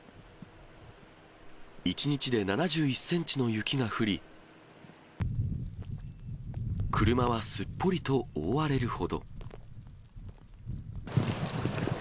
１日で７１センチの雪が降り、車はすっぽりと覆われるほど。